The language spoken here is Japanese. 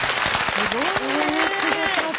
すごいね！